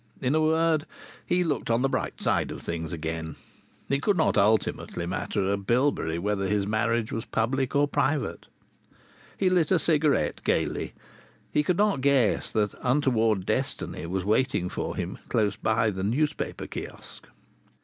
In a word, he looked on the bright side of things again. It could not ultimately matter a bilberry whether his marriage was public or private. He lit a cigarette gaily. He could not guess that untoward destiny was waiting for him close by the newspaper kiosque.